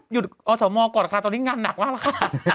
หยุดอสมก่อนค่ะตอนนี้งานหนักงานข้างหน้าแล้วค่ะ